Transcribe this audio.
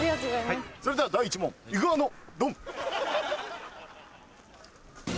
それでは第１問イグアノ・ドン！